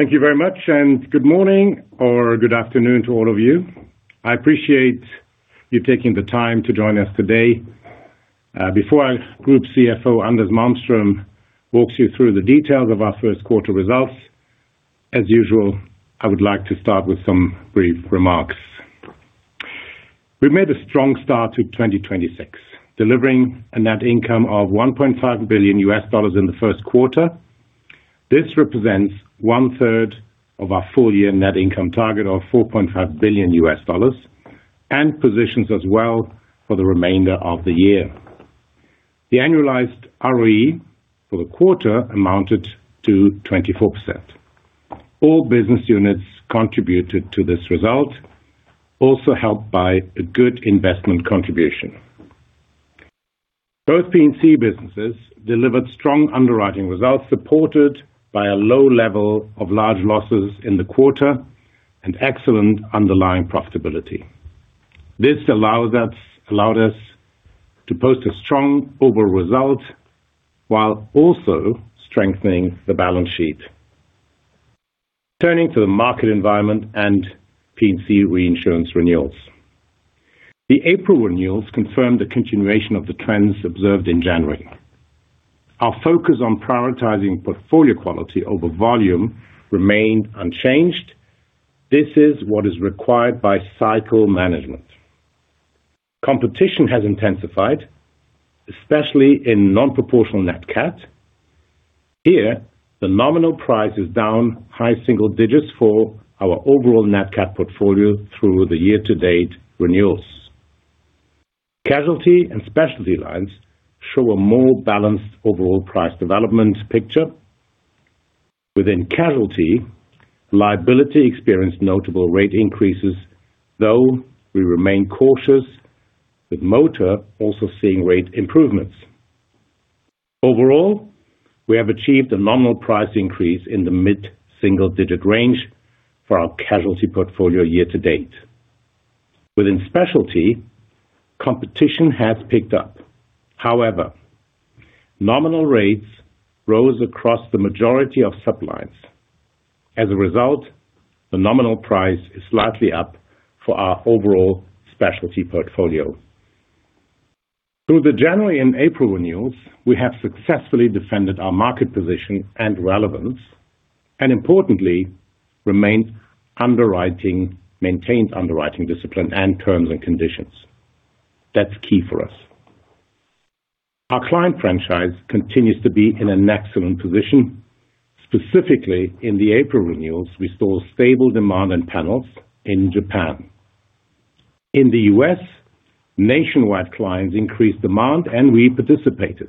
Thank you very much and good morning or good afternoon to all of you. I appreciate you taking the time to join us today. Before our Group Chief Financial Officer, Anders Malmström, walks you through the details of our first quarter results, as usual, I would like to start with some brief remarks. We made a strong start to 2026, delivering a net income of $1.5 billion in the first quarter. This represents one third of our full-year net income target of $4.5 billion and positions us well for the remainder of the year. The annualized ROE for the quarter amounted to 24%. All business units contributed to this result, also helped by a good investment contribution. Both P&C businesses delivered strong underwriting results, supported by a low level of large losses in the quarter and excellent underlying profitability. This allowed us to post a strong overall result while also strengthening the balance sheet. Turning to the market environment and P&C Reinsurance renewals. The April renewals confirmed the continuation of the trends observed in January. Our focus on prioritizing portfolio quality over volume remained unchanged. This is what is required by cycle management. Competition has intensified, especially in non-proportional nat cat. Here, the nominal price is down high single digits for our overall nat cat portfolio through the year-to-date renewals. Casualty and specialty lines show a more balanced overall price development picture. Within casualty, liability experienced notable rate increases, though we remain cautious, with motor also seeing rate improvements. Overall, we have achieved a nominal price increase in the mid-single digit range for our casualty portfolio year to date. Within specialty, competition has picked up. Nominal rates rose across the majority of sublines. As a result, the nominal price is slightly up for our overall specialty portfolio. Through the January and April renewals, we have successfully defended our market position and relevance, and importantly, maintained underwriting discipline and terms and conditions. That's key for us. Our client franchise continues to be in an excellent position. Specifically, in the April renewals, we saw stable demand and panels in Japan. In the U.S., nationwide clients increased demand, and we participated.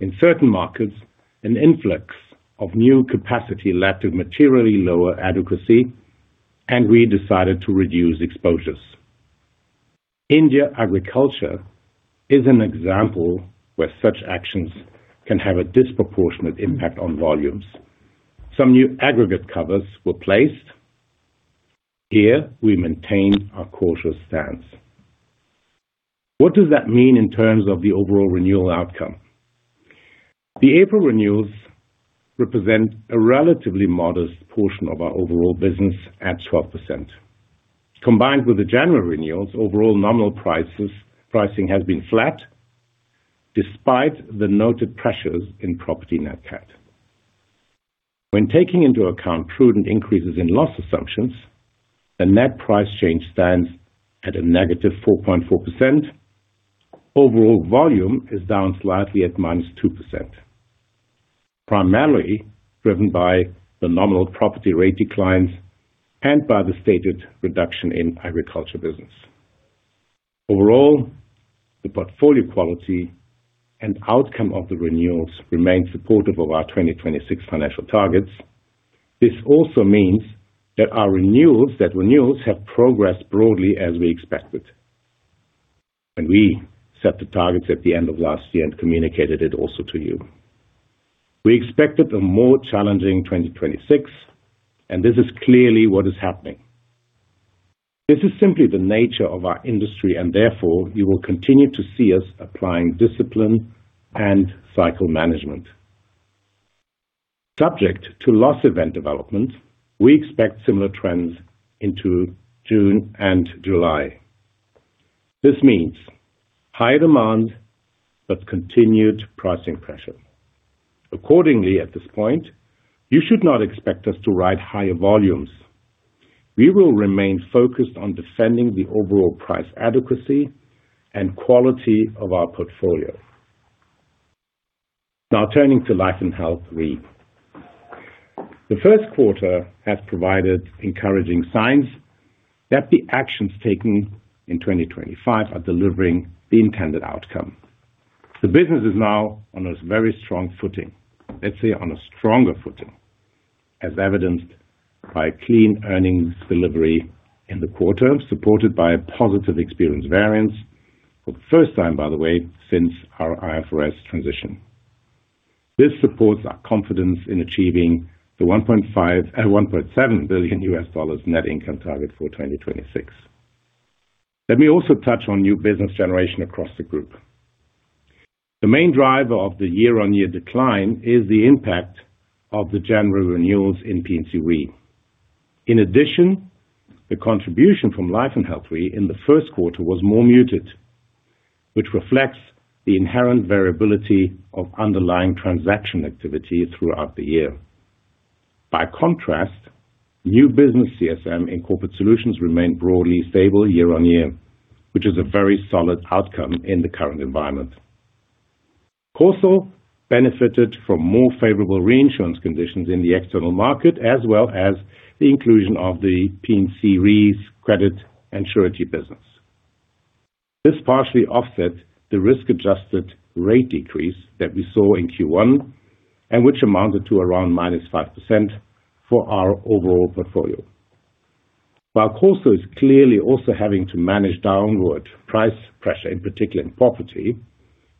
In certain markets, an influx of new capacity led to materially lower adequacy, and we decided to reduce exposures. India agriculture is an example where such actions can have a disproportionate impact on volumes. Some new aggregate covers were placed. Here, we maintain our cautious stance. What does that mean in terms of the overall renewal outcome? The April renewals represent a relatively modest portion of our overall business at 12%. Combined with the January renewals, overall nominal prices, pricing has been flat despite the noted pressures in property nat cat. When taking into account prudent increases in loss assumptions, the net price change stands at a -4.4%. Overall volume is down slightly at -2%, primarily driven by the nominal property rate declines and by the stated reduction in agriculture business. Overall, the portfolio quality and outcome of the renewals remain supportive of our 2026 financial targets. This also means that renewals have progressed broadly as we expected when we set the targets at the end of last year and communicated it also to you. We expected a more challenging 2026, this is clearly what is happening. This is simply the nature of our industry, therefore, you will continue to see us applying discipline and cycle management. Subject to loss event development, we expect similar trends into June and July. This means high demand but continued pricing pressure. Accordingly, at this point, you should not expect us to write higher volumes. We will remain focused on defending the overall price adequacy and quality of our portfolio. Turning to Life & Health Re. The first quarter has provided encouraging signs that the actions taken in 2025 are delivering the intended outcome. The business is now on a very strong footing, let's say on a stronger footing, as evidenced by clean earnings delivery in the quarter, supported by a positive experience variance for the first time, by the way, since our IFRS transition. This supports our confidence in achieving the $1.5 billion-$1.7 billion net income target for 2026. Let me also touch on new business generation across the group. The main driver of the year-on-year decline is the impact of the general renewals in P&C Re. In addition, the contribution from Life & Health Re in the first quarter was more muted, which reflects the inherent variability of underlying transaction activity throughout the year. By contrast, new business CSM in Corporate Solutions remained broadly stable year-on-year, which is a very solid outcome in the current environment. CorSo benefited from more favorable reinsurance conditions in the external market, as well as the inclusion of the P&C Re's Credit & Surety business. This partially offset the risk-adjusted rate decrease that we saw in Q1, and which amounted to around -5% for our overall portfolio. While CorSo is clearly also having to manage downward price pressure, in particular in property,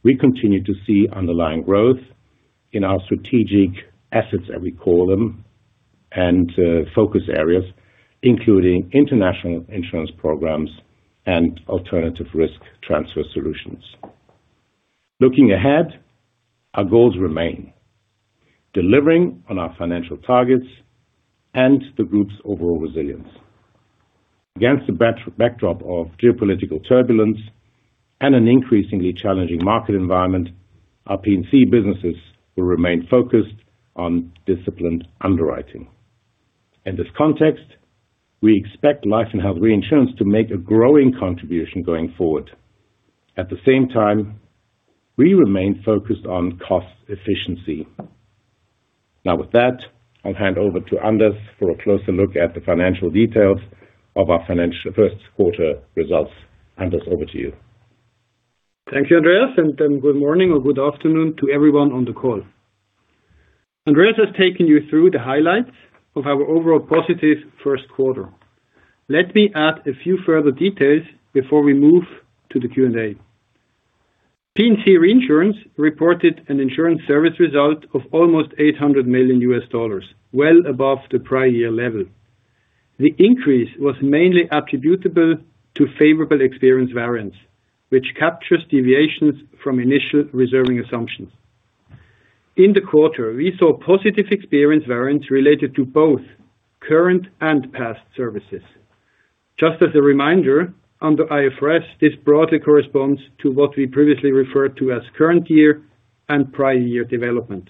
we continue to see underlying growth in our strategic assets, as we call them, and focus areas, including international insurance programs and alternative risk transfer solutions. Looking ahead, our goals remain: delivering on our financial targets and the group's overall resilience. Against the backdrop of geopolitical turbulence and an increasingly challenging market environment, our P&C businesses will remain focused on disciplined underwriting. In this context, we expect Life & Health Reinsurance to make a growing contribution going forward. At the same time, we remain focused on cost efficiency. With that, I'll hand over to Anders for a closer look at the financial details of our financial first quarter results. Anders, over to you. Thank you, Andreas, and good morning or good afternoon to everyone on the call. Andreas has taken you through the highlights of our overall positive first quarter. Let me add a few further details before we move to the Q&A. P&C Reinsurance reported an insurance service result of almost $800 million, well above the prior year level. The increase was mainly attributable to favorable experience variance, which captures deviations from initial reserving assumptions. In the quarter, we saw positive experience variance related to both current and past services. Just as a reminder, under IFRS, this broadly corresponds to what we previously referred to as current year and prior year development.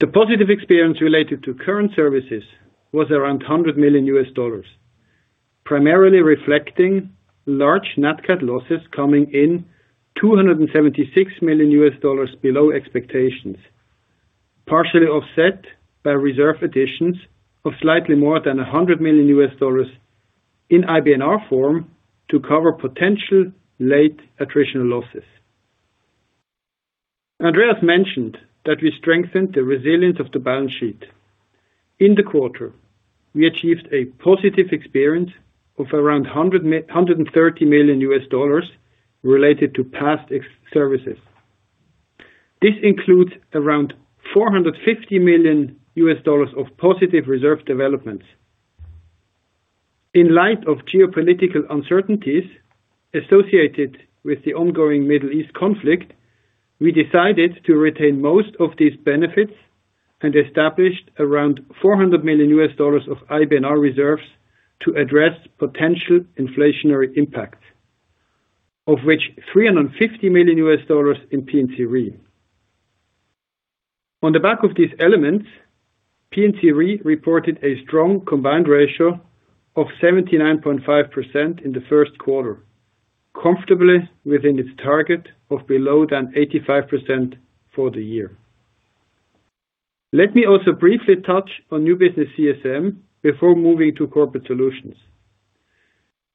The positive experience related to current services was around $100 million, primarily reflecting large nat cat losses coming in $276 million below expectations, partially offset by reserve additions of slightly more than $100 million in IBNR form to cover potential late attritional losses. Andreas mentioned that we strengthened the resilience of the balance sheet. In the quarter, we achieved a positive experience of around $130 million related to past ex-services. This includes around $450 million of positive reserve developments. In light of geopolitical uncertainties associated with the ongoing Middle East conflict, we decided to retain most of these benefits and established around $400 million of IBNR reserves to address potential inflationary impacts, of which $350 million in P&C Re. On the back of these elements, P&C Re reported a strong combined ratio of 79.5% in the first quarter, comfortably within its target of below 85% for the year. Let me also briefly touch on new business CSM before moving to Corporate Solutions.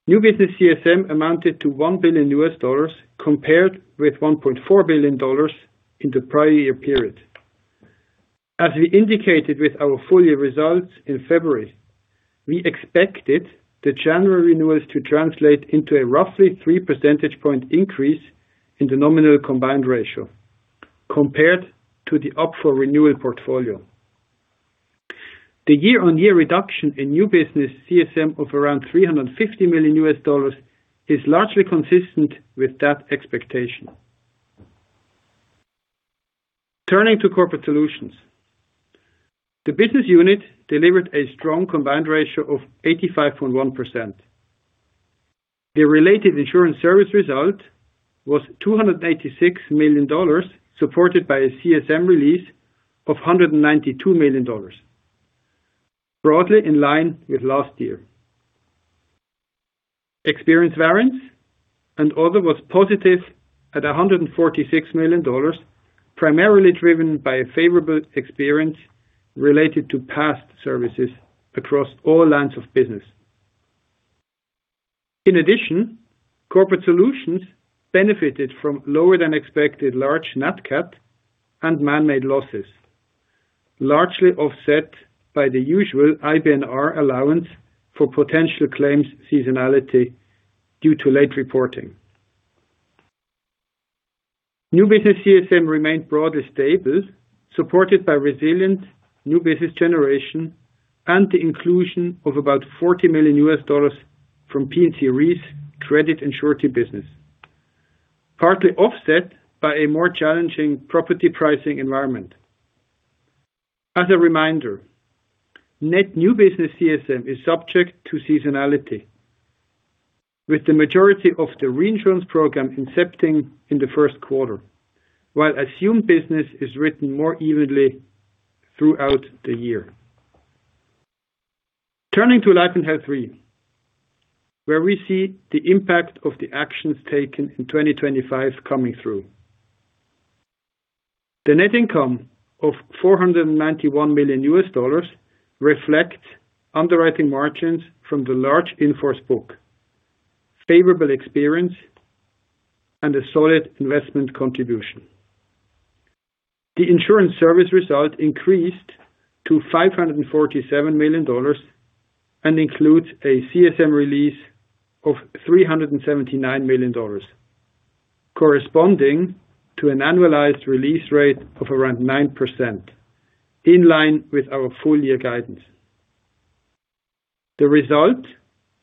New business CSM amounted to $1 billion, compared with $1.4 billion in the prior year period. As we indicated with our full year results in February, we expected the general renewals to translate into a roughly 3 percentage point increase in the nominal combined ratio compared to the up for renewal portfolio. The year-on-year reduction in new business CSM of around $350 million is largely consistent with that expectation. Turning to Corporate Solutions, the business unit delivered a strong combined ratio of 85.1%. The related insurance service result was $286 million, supported by a CSM release of $192 million, broadly in line with last year. Experience variance and other was positive at $146 million, primarily driven by a favorable experience related to past services across all lines of business. In addition, Corporate Solutions benefited from lower than expected large nat cat and man-made losses, largely offset by the usual IBNR allowance for potential claims seasonality due to late reporting. New business CSM remained broadly stable, supported by resilient new business generation and the inclusion of about $40 million from P&C Re's Credit & Surety business, partly offset by a more challenging property pricing environment. As a reminder, net new business CSM is subject to seasonality, with the majority of the reinsurance program incepting in the first quarter, while assumed business is written more evenly throughout the year. Turning to Life & Health Re, where we see the impact of the actions taken in 2025 coming through. The net income of $491 million reflects underwriting margins from the large in-force book, favorable experience, and a solid investment contribution. The insurance service result increased to $547 million and includes a CSM release of $379 million, corresponding to an annualized release rate of around 9%, in line with our full year guidance. The result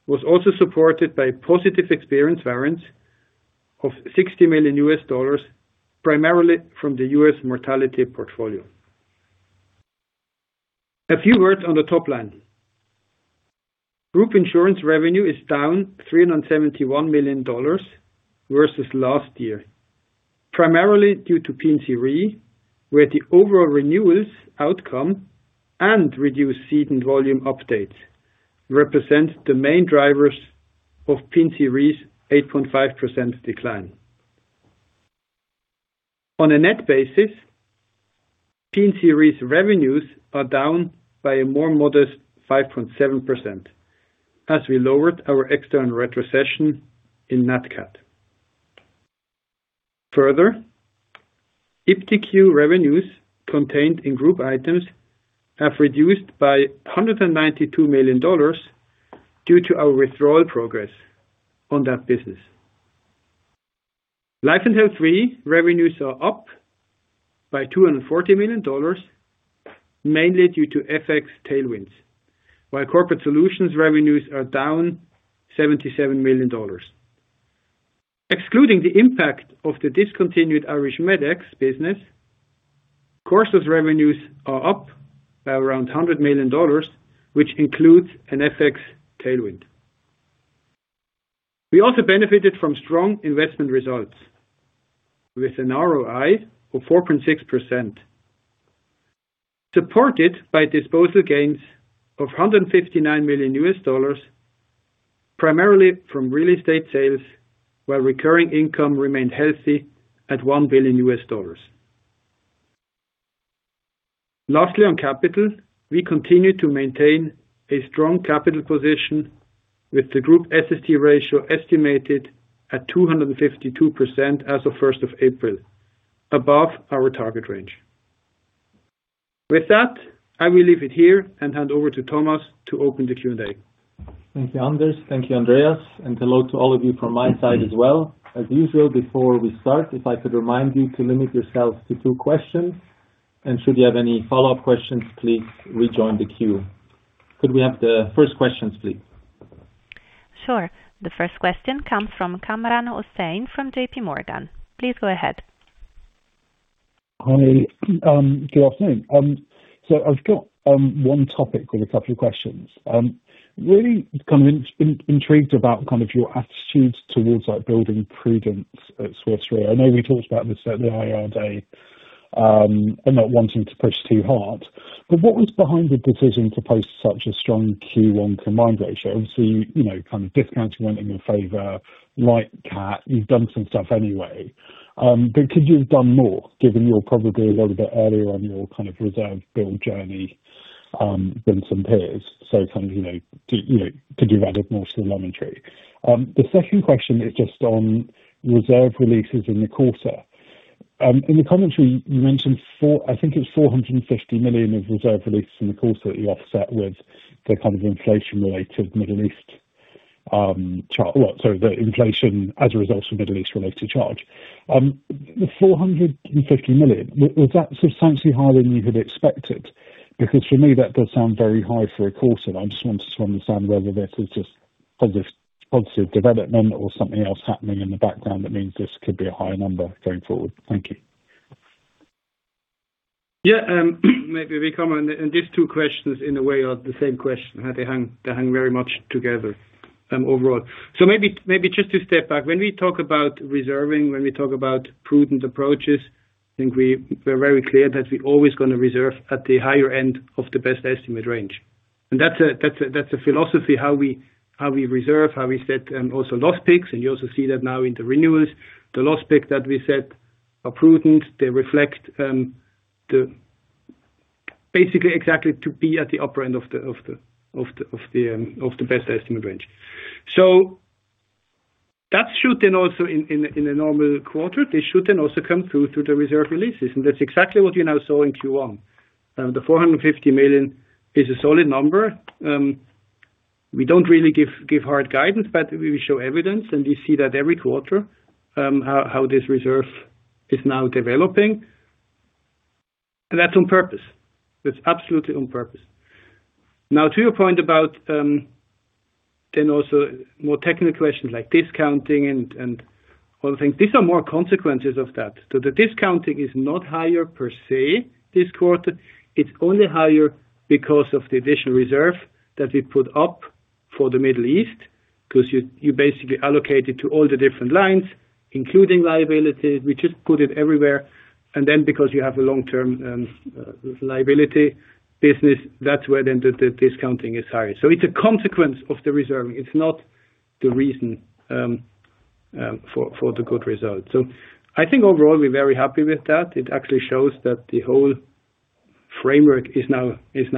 was also supported by positive experience variance of $60 million, primarily from the U.S. mortality portfolio. A few words on the top line. Group insurance revenue is down $371 million versus last year, primarily due to P&C Re, where the overall renewals outcome and reduced ceding volume updates represent the main drivers of P&C Re's 8.5% decline. On a net basis, P&C Re's revenues are down by a more modest 5.7%, as we lowered our external retrocession in nat cat. Further, iptiQ revenues contained in group items have reduced by $192 million due to our withdrawal progress on that business. Life & Health Re revenues are up by $240 million, mainly due to FX tailwinds, while Corporate Solutions revenues are down $77 million. Excluding the impact of the discontinued Irish Medex business, CorSo's revenues are up by around $100 million, which includes an FX tailwind. We also benefited from strong investment results with an ROI of 4.6%, supported by disposal gains of $159 million, primarily from real estate sales, while recurring income remained healthy at $1 billion. Lastly, on capital, we continue to maintain a strong capital position with the group SST ratio estimated at 252% as of 1st of April, above our target range. With that, I will leave it here and hand over to Thomas to open the Q&A. Thank you, Anders. Thank you, Andreas. Hello to all of you from my side as well. As usual, before we start, if I could remind you to limit yourselves to two questions, and should you have any follow-up questions, please rejoin the queue. Could we have the first questions, please? Sure. The first question comes from Kamran Hossain from JPMorgan. Please go ahead. Hi. Good afternoon. I've got one topic with a couple of questions. Really kind of intrigued about kind of your attitude towards, like, building prudence at Swiss Re. I know we talked about this at the IR day, and not wanting to push too hard, but what was behind the decision to post such a strong Q1 combined ratio? Obviously, you know, kind of discounting went in your favor. Like Cat, you've done some stuff anyway, but could you have done more, given you're probably a little bit earlier on your kind of reserve build journey than some peers? Kind of, you know, could you have added more telemetry? The second question is just on reserve releases in the quarter. In the commentary, you mentioned I think it was $450 million of reserve releases in the quarter that you offset with the kind of inflation-related Middle East, the inflation as a result of Middle East-related charge. The $450 million, was that substantially higher than you had expected? Because for me, that does sound very high for a quarter. I just wanted to understand whether this is just positive development or something else happening in the background that means this could be a higher number going forward. Thank you. These two questions, in a way, are the same question. They hang very much together overall. Maybe just to step back. When we talk about reserving, when we talk about prudent approaches, I think we're very clear that we're always gonna reserve at the higher end of the best estimate range. That's a philosophy, how we reserve, how we set also loss picks. You also see that now in the renewals. The loss pick that we set are prudent. They reflect basically exactly to be at the upper end of the best estimate range. That should then also in a normal quarter, they should then also come through to the reserve releases. That's exactly what you now saw in Q1. The $450 million is a solid number. We don't really give hard guidance, but we show evidence, and we see that every quarter, how this reserve is now developing. That's on purpose. It's absolutely on purpose. To your point about then also more technical questions like discounting and all the things. These are more consequences of that. The discounting is not higher per se this quarter, it's only higher because of the additional reserve that we put up for the Middle East. You basically allocate it to all the different lines, including liabilities. We just put it everywhere. Because you have a long-term liability business, that's where then the discounting is higher. It's a consequence of the reserving. It's not the reason, for the good result. I think overall we're very happy with that. It actually shows that the whole framework is now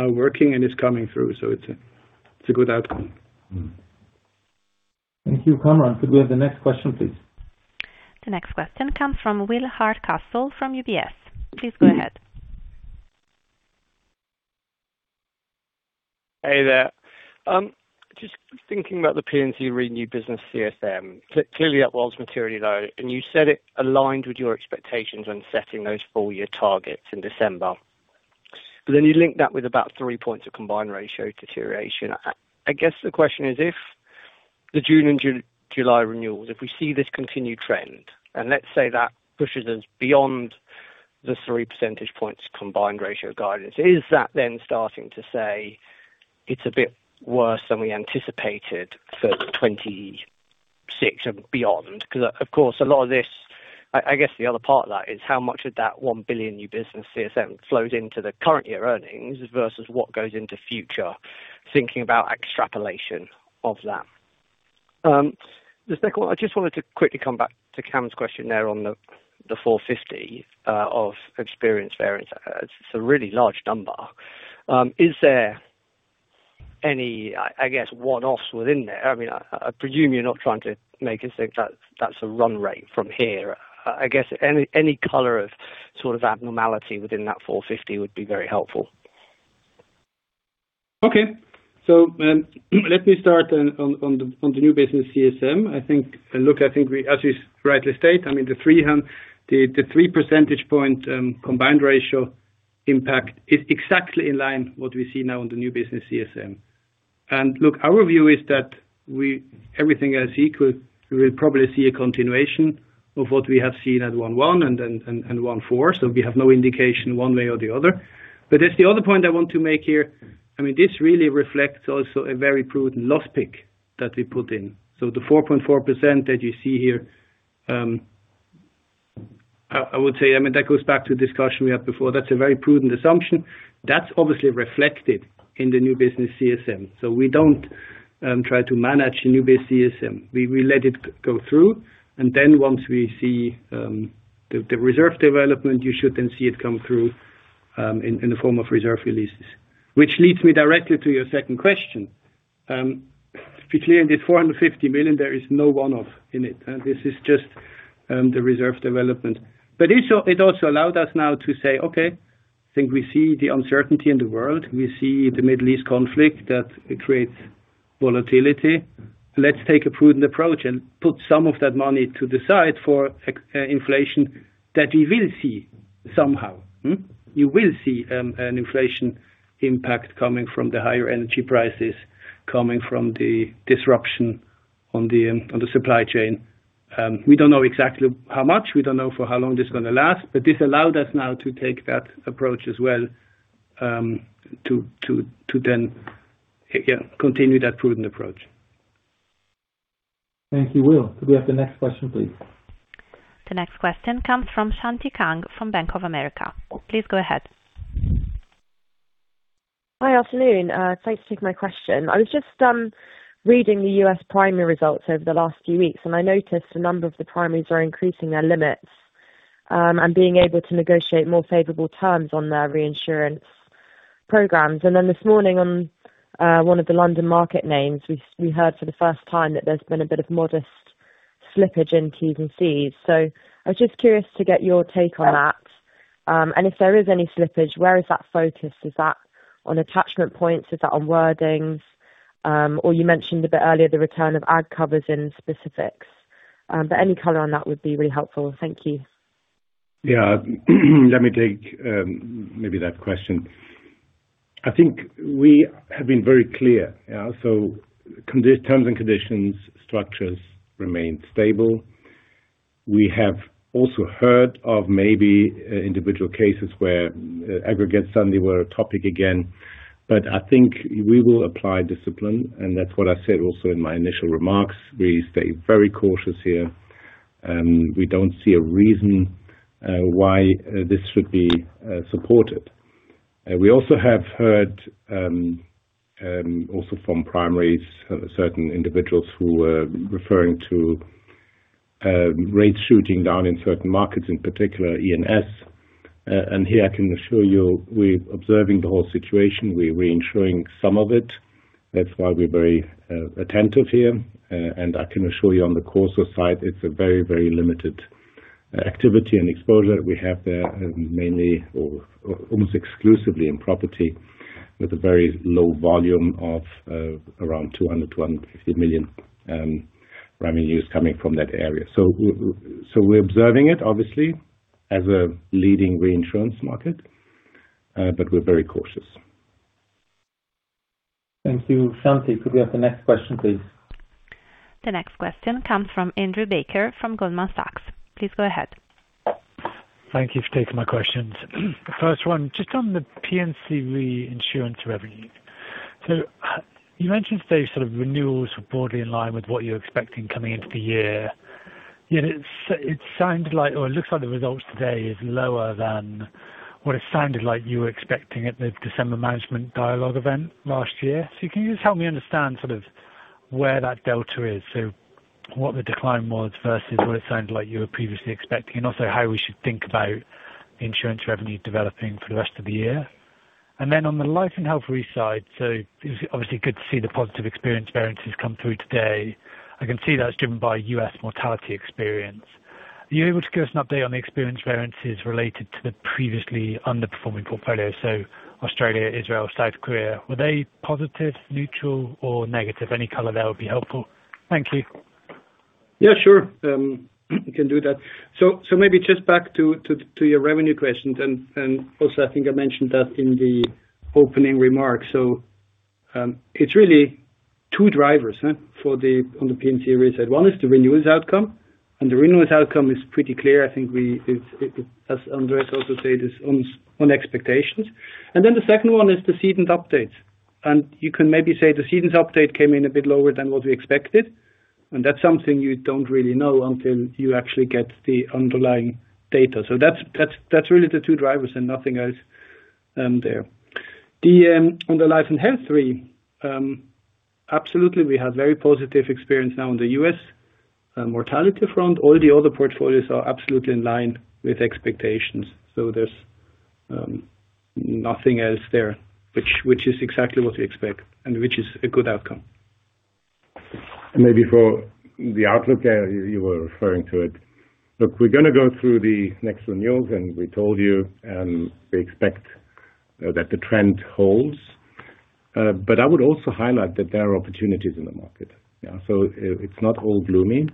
working and is coming through. It's a, it's a good outcome. Mm-hmm. Thank you. Kamran, could we have the next question, please? The next question comes from Will Hardcastle from UBS. Please go ahead. Hey there. Just thinking about the P&C Re business CSM. Clearly, that was materially low, and you said it aligned with your expectations when setting those full-year targets in December. You link that with about 3 points of combined ratio deterioration. I guess the question is, if the June and July renewals, if we see this continued trend, and let's say that pushes us beyond the 3 percentage points combined ratio guidance, is that then starting to say it's a bit worse than we anticipated for 2026 and beyond? Of course, a lot of this I guess the other part of that is how much of that $1 billion new business CSM flows into the current year earnings versus what goes into future, thinking about extrapolation of that. The second one, I just wanted to quickly come back to Kamran's question there on the $450 million of experience variance. It's a really large number. Is there any, I guess one-offs within there? I mean, I presume you're not trying to make us think that that's a run rate from here. I guess any color of sort of abnormality within that $450 million would be very helpful. Okay. Let me start on the new business CSM. As you rightly state, I mean, the 3 percentage point combined ratio impact is exactly in line what we see now in the new business CSM. Our view is that everything else equal, we'll probably see a continuation of what we have seen at 1/1 and 1/4. We have no indication one way or the other. There's the other point I want to make here. I mean, this really reflects also a very prudent loss pick that we put in. The 4.4% that you see here, I would say, I mean, that goes back to the discussion we had before. That's a very prudent assumption. That's obviously reflected in the new business CSM. We don't try to manage new bus CSM. We let it go through, and then once we see the reserve development, you should then see it come through in the form of reserve releases. Which leads me directly to your second question. To be clear, in this $450 million, there is no one-off in it. This is just the reserve development. It also allowed us now to say, "Okay, I think we see the uncertainty in the world. We see the Middle East conflict that it creates volatility. Let's take a prudent approach and put some of that money to the side for inflation that we will see somehow." Mm-hmm. You will see an inflation impact coming from the higher energy prices, coming from the disruption on the supply chain. We don't know exactly how much, we don't know for how long this is gonna last, but this allowed us now to take that approach as well, to then continue that prudent approach. Thank you, Will. Could we have the next question, please? The next question comes from Shanti Kang from Bank of America. Please go ahead. Hi. Afternoon. Thanks for taking my question. I was just reading the U.S. primary results over the last few weeks. I noticed a number of the primaries are increasing their limits and being able to negotiate more favorable terms on their reinsurance programs. This morning on one of the London Market names, we heard for the first time that there's been a bit of modest slippage in terms fees. I was just curious to get your take on that. If there is any slippage, where is that focused? Is that on attachment points? Is that on wordings? You mentioned a bit earlier the return of agg covers in specifics. Any color on that would be really helpful. Thank you. Yeah. Let me take maybe that question. I think we have been very clear. Terms and conditions structures remain stable. We have also heard of maybe individual cases where aggregates suddenly were a topic again. I think we will apply discipline, and that's what I said also in my initial remarks. We stay very cautious here, and we don't see a reason why this should be supported. We also have heard also from primaries certain individuals who were referring to rates shooting down in certain markets, in particular E&S. Here I can assure you, we're observing the whole situation. We're reinsuring some of it. That's why we're very attentive here. I can assure you on the CorSo side, it's a very, very limited activity and exposure we have there, mainly or almost exclusively in property. With a very low volume of around $200 million-$150 million revenues coming from that area. We're observing it, obviously, as a leading reinsurance market, but we're very cautious. Thank you. Shanti, could we have the next question, please? The next question comes from Andrew Baker from Goldman Sachs. Please go ahead. Thank you for taking my questions. First one, just on the P&C Reinsurance revenue. You mentioned today sort of renewals were broadly in line with what you're expecting coming into the year. Yet it sounded like or it looks like the results today is lower than what it sounded like you were expecting at the December management dialogue event last year. Can you just help me understand sort of where that delta is? What the decline was versus what it sounded like you were previously expecting, and also how we should think about insurance revenue developing for the rest of the year. On the Life & Health Reinsurance side, it was obviously good to see the positive experience variances come through today. I can see that's driven by U.S. mortality experience. Are you able to give us an update on the experience variances related to the previously underperforming portfolio, so Australia, Israel, South Korea? Were they positive, neutral or negative? Any color there would be helpful. Thank you. Yeah, sure. can do that. Maybe just back to your revenue question, and also I think I mentioned that in the opening remarks. It's really two drivers, huh, on the P&C Re side. One is the renewals outcome, and the renewals outcome is pretty clear. I think as Andreas also said, it's on expectations. Then the second one is the ceding updates. You can maybe say the ceding update came in a bit lower than what we expected, and that's something you don't really know until you actually get the underlying data. That's really the two drivers and nothing else there. On the Life & Health Re, absolutely, we have very positive experience now in the U.S. mortality front. All the other portfolios are absolutely in line with expectations. There's nothing else there, which is exactly what we expect and which is a good outcome. Maybe for the outlook there, you were referring to it. Look, we're gonna go through the next renewals, and we told you, we expect that the trend holds. I would also highlight that there are opportunities in the market. Yeah. It's not all gloomy.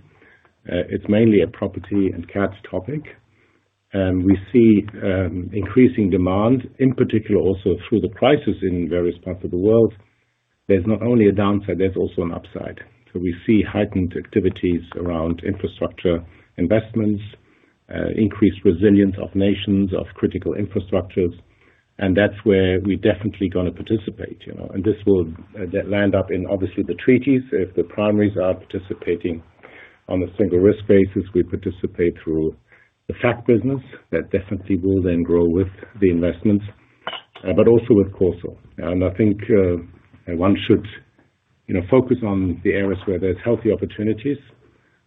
It's mainly a property and nat cat topic. We see increasing demand, in particular also through the crisis in various parts of the world. There's not only a downside, there's also an upside. We see heightened activities around infrastructure investments, increased resilience of nations, of critical infrastructures, and that's where we're definitely gonna participate, you know. This will land up in obviously the treaties. If the primaries are participating on a single risk basis, we participate through the fac business. That definitely will then grow with the investments, but also with CorSo. I think, you know, one should focus on the areas where there's healthy opportunities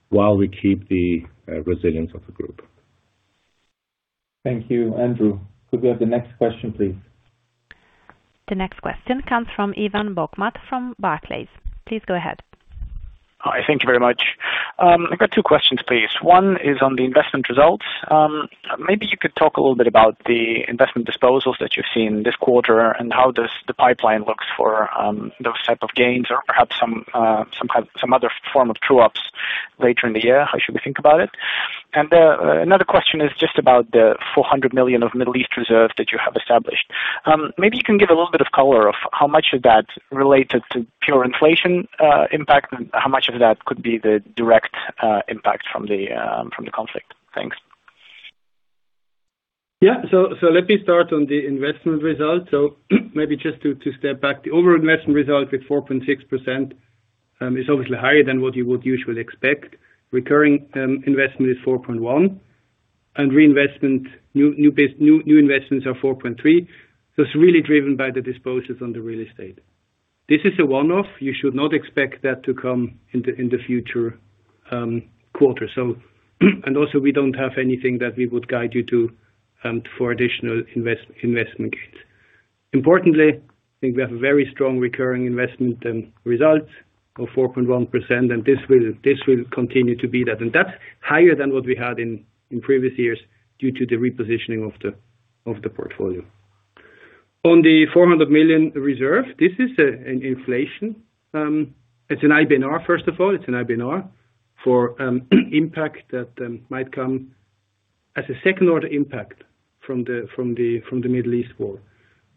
while we keep the resilience of the Group. Thank you, Andrew. Could we have the next question, please? The next question comes from Ivan Bokhmat from Barclays. Please go ahead. Hi. Thank you very much. I've got two questions, please. One is on the investment results. Maybe you could talk a little bit about the investment disposals that you've seen this quarter and how the pipeline looks for those type of gains or perhaps some other form of true ups later in the year. How should we think about it? Another question is just about the $400 million of Middle East reserve that you have established. Maybe you can give a little bit of color of how much of that related to pure inflation impact and how much of that could be the direct impact from the conflict. Thanks. Yeah. Let me start on the investment results. Maybe just to step back. The overall investment result with 4.6% is obviously higher than what you would usually expect. Recurring investment is 4.1%, and reinvestment, new investments are 4.3%. It's really driven by the disposals on the real estate. This is a one-off. You should not expect that to come in the future quarters. And also we don't have anything that we would guide you to for additional investment gains. Importantly, I think we have a very strong recurring investment results of 4.1%, and this will continue to be that. And that's higher than what we had in previous years due to the repositioning of the portfolio. On the $400 million reserve, this is an inflation. It's an IBNR, first of all. It's an IBNR for impact that might come as a second-order impact from the Middle East war.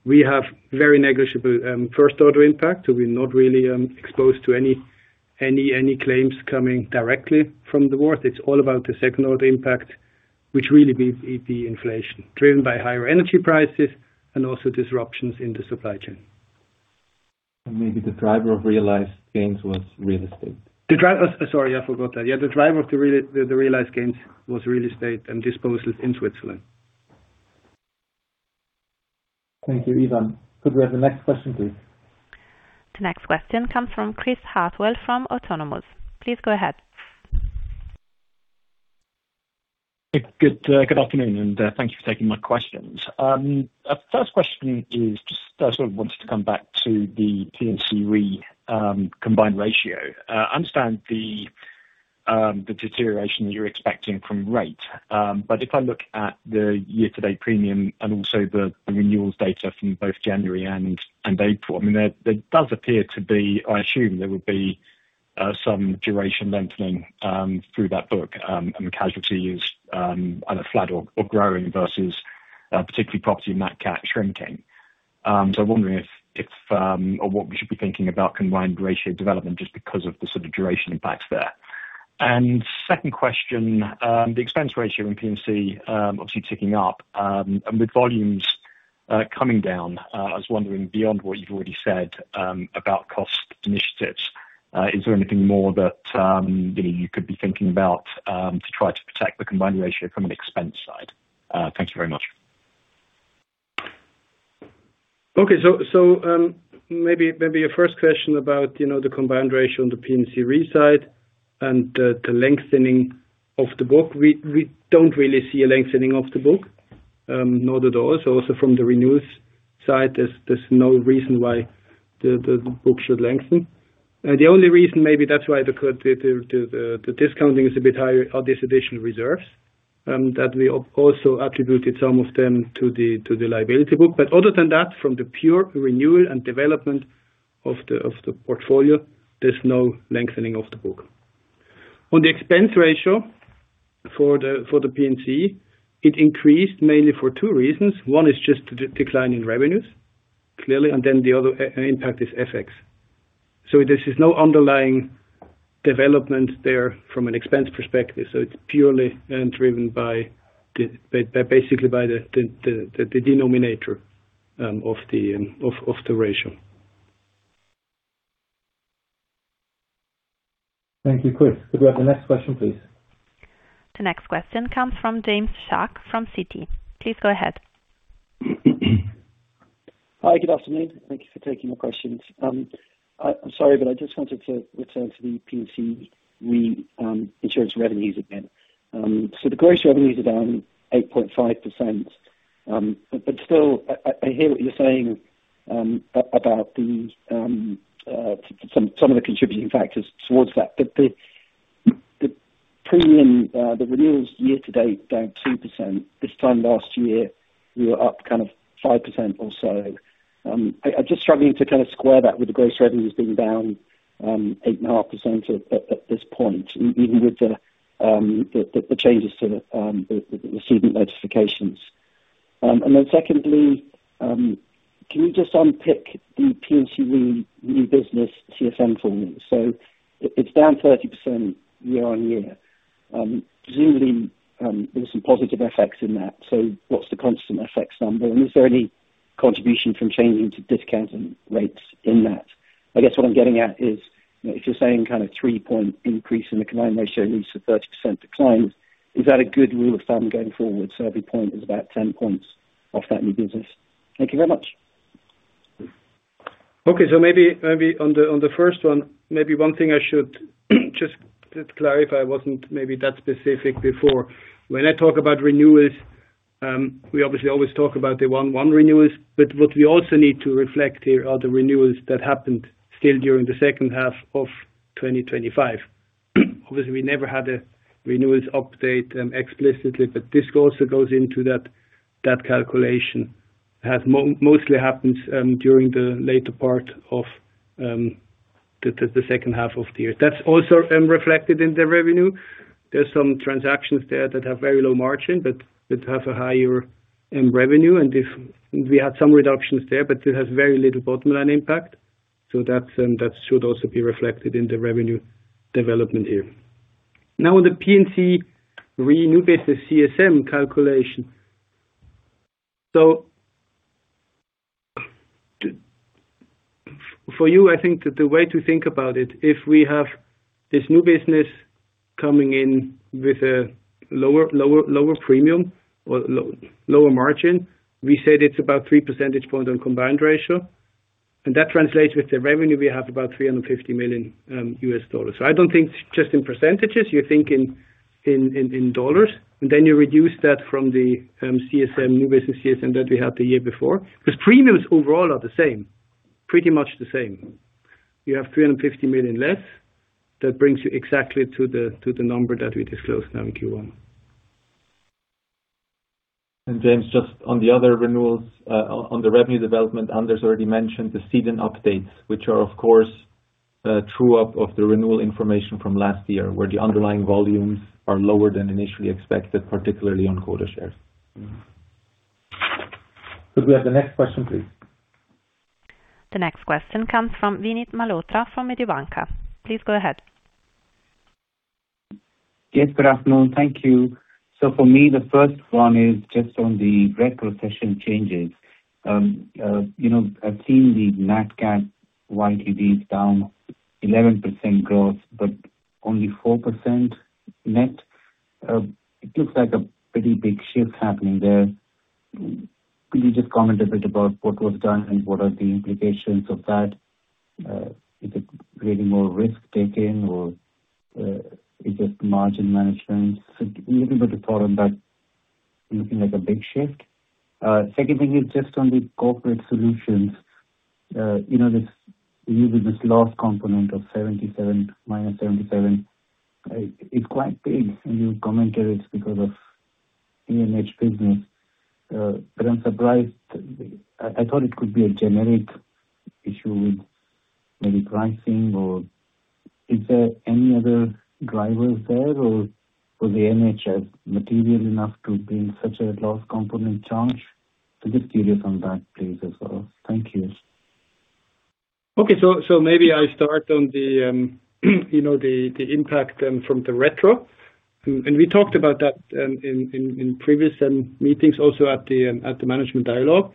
We have very negligible first-order impact, we're not really exposed to any claims coming directly from the war. It's all about the second-order impact, which really means it's the inflation driven by higher energy prices and also disruptions in the supply chain. Maybe the driver of realized gains was real estate. Sorry, I forgot that. Yeah, the driver of the realized gains was real estate and disposals in Switzerland. Thank you. Ivan. Could we have the next question, please? The next question comes from Chris Hartwell from Autonomous. Please go ahead. Good, good afternoon, and thank you for taking my questions. First question is just I sort of wanted to come back to the P&C Re combined ratio. The deterioration you're expecting from rate. If I look at the year-to-date premium and also the renewals data from both January and April, I mean, there does appear to be I assume there would be some duration lengthening through that book, and casualty is either flat or growing versus particularly property and nat cat shrinking. I'm wondering if or what we should be thinking about combined ratio development just because of the sort of duration impacts there. Second question, the expense ratio in P&C, obviously ticking up. With volumes coming down, I was wondering beyond what you've already said about cost initiatives, is there anything more that, you know, you could be thinking about to try to protect the combined ratio from an expense side? Thank you very much. Okay. Maybe a first question about the combined ratio on the P&C Re side and the lengthening of the book. We don't really see a lengthening of the book, nor the doors. Also from the renewals side, there's no reason why the book should lengthen. The only reason maybe that's why the discounting is a bit higher are these additional reserves that we also attributed some of them to the liability book. Other than that, from the pure renewal and development of the portfolio, there's no lengthening of the book. On the expense ratio for the P&C, it increased mainly for two reasons. One is just the decline in revenues, clearly, and then the other impact is FX. This is no underlying development there from an expense perspective. It's purely driven by the by basically by the denominator of the ratio. Thank you. Chris, could we have the next question, please? The next question comes from James Shuck from Citi. Please go ahead. Hi, good afternoon. Thank you for taking my questions. I'm sorry, but I just wanted to return to the P&C Re insurance revenues again. The gross revenues are down 8.5%. Still, I hear what you're saying about the some of the contributing factors towards that. The premium, the renewals year to date down 2%. This time last year, we were up kind of 5% or so. I'm just struggling to kind of square that with the gross revenues being down 8.5% at this point, even with the changes to the ceding notifications. Secondly, can you just unpick the P&C Re new business CSM fullness? It's down 30% year-on-year. Presumably, there's some positive effects in that. What's the constant FX number? And is there any contribution from changing to discount and rates in that? I guess what I'm getting at is, you know, if you're saying kind of 3-point increase in the combined ratio leads to 30% decline, is that a good rule of thumb going forward? Every point is about 10 points of that new business. Thank you very much. Maybe on the first one, maybe one thing I should just clarify wasn't maybe that specific before. When I talk about renewals, we obviously always talk about the 1/1 renewals. What we also need to reflect here are the renewals that happened still during the second half of 2025. Obviously, we never had a renewals update explicitly, but this also goes into that calculation. Mostly happens during the later part of the second half of the year. That's also reflected in the revenue. There's some transactions there that have very low margin, but that have a higher revenue. If we had some reductions there, but it has very little bottom-line impact. That should also be reflected in the revenue development here. The P&C Re new business CSM calculation. For you, I think the way to think about it, if we have this new business coming in with a lower premium or lower margin, we said it's about 3 percentage points on combined ratio. That translates with the revenue we have about $350 million. I don't think just in percentages, you think in dollars. Then you reduce that from the CSM, new business CSM that we had the year before. Because premiums overall are the same, pretty much the same. You have $350 million less. That brings you exactly to the number that we disclosed now in Q1. James, just on the other renewals, on the revenue development, Anders already mentioned the ceding updates, which are, of course, true up of the renewal information from last year, where the underlying volumes are lower than initially expected, particularly on quota shares. Could we have the next question, please? The next question comes from Vinit Malhotra from Mediobanca. Please go ahead. Yes, good afternoon. Thank you. For me, the first one is just on the retrocession changes. you know, I've seen the nat cat YTD down 11% growth, but only 4% net. It looks like a pretty big shift happening there. Could you just comment a bit about what was done and what are the implications of that? Is it creating more risk-taking or is it margin management? Looking like a big shift. Second thing is just on the Corporate Solutions. You know, this last component of -$77 million, it's quite big, and you commented it's because of A&H business. I'm surprised. I thought it could be a generic issue with maybe pricing or is there any other drivers there or for the A&H business material enough to bring such a large component change? Just curious on that, please, as well. Thank you. Okay. Maybe I start on the, you know, the impact then from the retro. We talked about that in previous meetings, also at the management dialogue,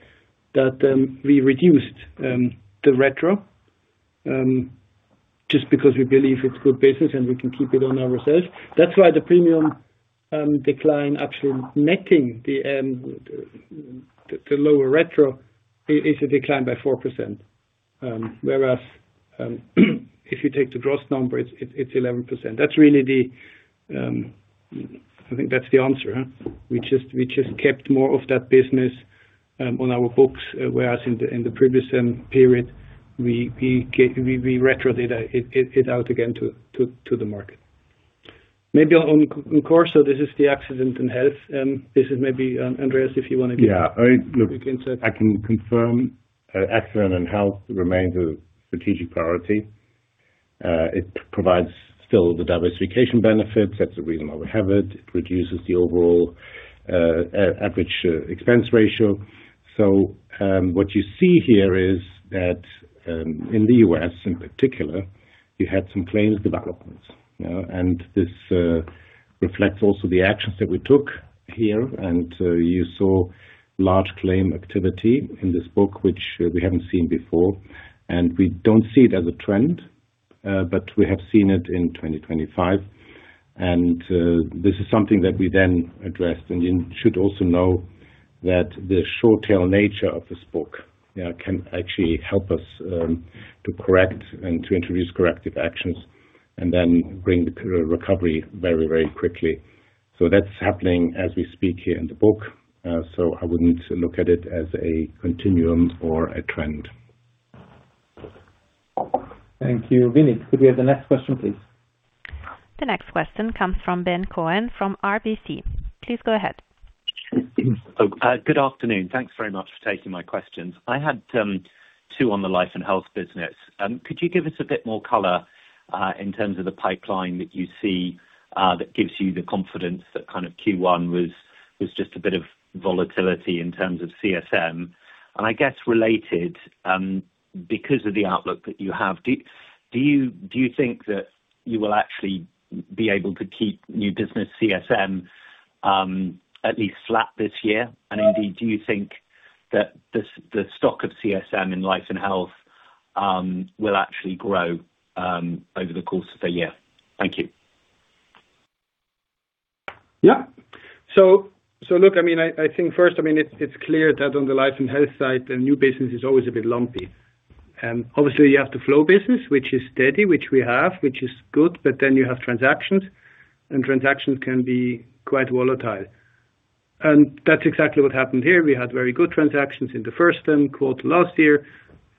that we reduced the retro just because we believe it's good business and we can keep it on our reserves. That's why the premium decline actually netting the, the lower retro is a decline by 4%. If you take the gross number, it's 11%. That's really the, I think that's the answer. We just kept more of that business on our books, whereas in the previous period, we retro'd it out again to the market. Maybe on CorSo, this is the Accident & Health. This is maybe, Andreas, if you wanna give. Yeah. I. You can say. I can confirm, Accident & Health remains a strategic priority. It provides still the diversification benefits. That's the reason why we have it. It reduces the overall average expense ratio. What you see here is that in the U.S. in particular, you had some claims developments. You know, this reflects also the actions that we took here. You saw large claim activity in this book, which we haven't seen before. We don't see it as a trend, but we have seen it in 2025. This is something that we then addressed. You should also know that the short-tail nature of this book, can actually help us to correct and to introduce corrective actions and then bring the recovery very, very quickly. That's happening as we speak here in the book. I wouldn't look at it as a continuum or a trend. Thank you. Vinit, could we have the next question, please? The next question comes from Ben Cohen from RBC. Please go ahead. Good afternoon. Thanks very much for taking my questions. I had two on the Life & Health Reinsurance. Could you give us a bit more color in terms of the pipeline that you see that gives you the confidence that kind of Q1 was just a bit of volatility in terms of CSM? I guess related, because of the outlook that you have, do you think that you will actually be able to keep new business CSM at least flat this year? Indeed, do you think that the stock of CSM in Life & Health Reinsurance will actually grow over the course of a year? Thank you. Look, I mean, I think first, I mean, it's clear that on the Life & Health side, the new business is always a bit lumpy. Obviously, you have the flow business, which is steady, which we have, which is good, but then you have transactions, and transactions can be quite volatile. That's exactly what happened here. We had very good transactions in the first quarter last year.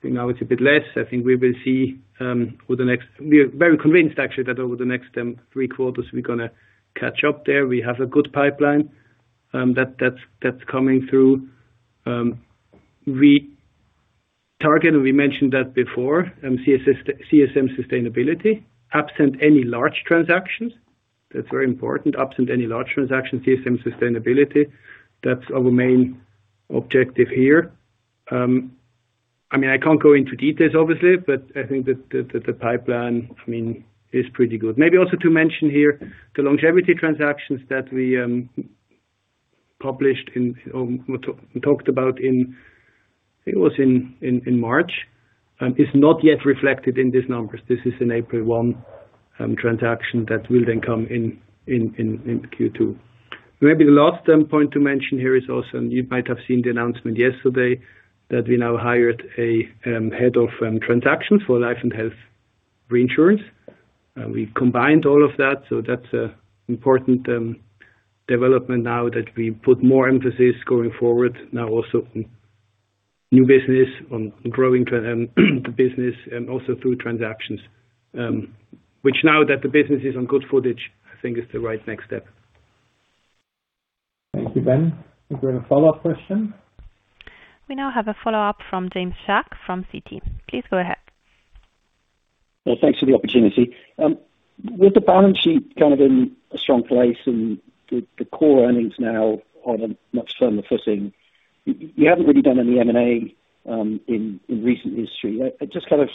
Now it's a bit less. I think we will see, actually, that over the next three quarters, we're gonna catch up there. We have a good pipeline that's coming through. We target, we mentioned that before, CSM sustainability, absent any large transactions. That's very important. Absent any large transactions, CSM sustainability, that's our main objective here. I can't go into details, obviously, but I think that the pipeline is pretty good. Maybe also to mention here, the longevity transactions that we published in, we talked about in, I think it was in March, is not yet reflected in these numbers. This is an April 1 transaction that will then come in Q2. Maybe the last point to mention here is also, you might have seen the announcement yesterday that we now hired a head of transactions for Life & Health Reinsurance. We combined all of that, so that's an important development now that we put more emphasis going forward now also new business on growing the business and also through transactions, which now that the business is on good footing, I think is the right next step. Thank you. Ben, is there a follow-up question? We now have a follow-up from James Shuck from Citi. Please go ahead. Well, thanks for the opportunity. With the balance sheet kind of in a strong place and the core earnings now on a much firmer footing, you haven't really done any M&A in recent history. Just kind of,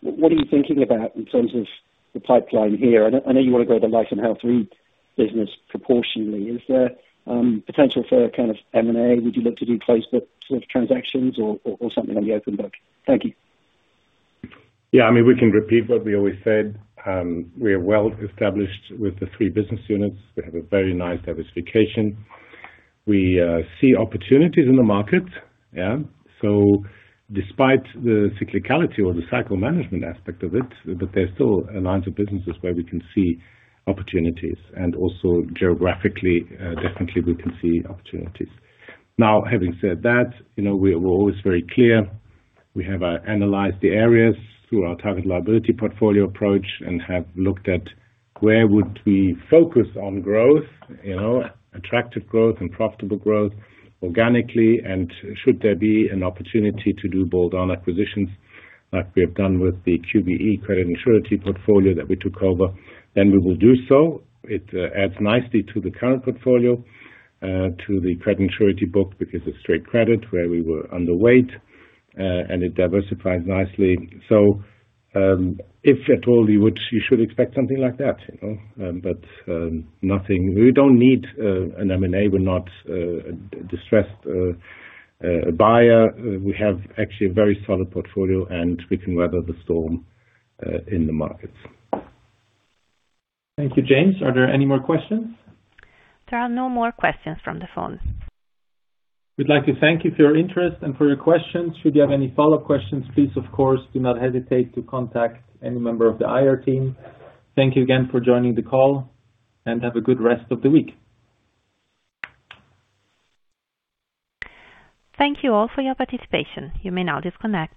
what are you thinking about in terms of the pipeline here? I know, I know you want to grow the Life & Health Re business proportionally. Is there potential for kind of M&A? Would you look to do closed book sort of transactions or something on the open book? Thank you. I mean, we can repeat what we always said. We are well established with the three business units. We have a very nice diversification. We see opportunities in the market. Despite the cyclicality or the cycle management aspect of it, that there's still a line of businesses where we can see opportunities. Also geographically, definitely we can see opportunities. Now, having said that, you know, we're always very clear. We have analyzed the areas through our target liability portfolio approach and have looked at where would we focus on growth, you know, attractive growth and profitable growth organically, and should there be an opportunity to do bolt-on acquisitions like we have done with the QBE credit insurance portfolio that we took over, then we will do so. It adds nicely to the current portfolio, to the credit insurance book, which is a straight credit where we were underweight, and it diversifies nicely. If at all, you should expect something like that, you know. Nothing. We don't need an M&A. We're not a distressed buyer. We have actually a very solid portfolio, and we can weather the storm, in the markets. Thank you, James. Are there any more questions? There are no more questions from the phone. We'd like to thank you for your interest and for your questions. Should you have any follow-up questions, please, of course, do not hesitate to contact any member of the IR team. Thank you again for joining the call. Have a good rest of the week. Thank you all for your participation. You may now disconnect.